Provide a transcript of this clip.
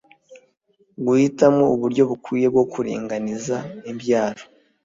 Guhitamo uburyo bukwiye bwo kuringaniza imbyaro